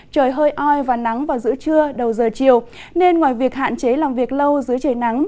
trời hơi oi và nắng vào giữa trưa đầu giờ chiều nên ngoài việc hạn chế làm việc lâu dưới trời nắng